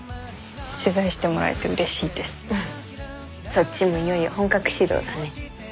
そっちもいよいよ本格始動だね。